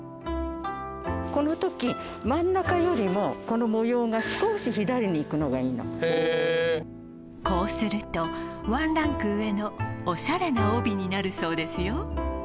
このとき真ん中よりもこの模様が少し左にいくのがいいのこうするとワンランク上のおしゃれな帯になるそうですよ